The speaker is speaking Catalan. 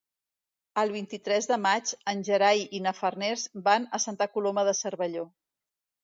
El vint-i-tres de maig en Gerai i na Farners van a Santa Coloma de Cervelló.